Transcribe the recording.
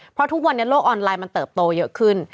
เพราะทุกวันนี้โลกออนไลน์มันเติบโตเยอะขึ้น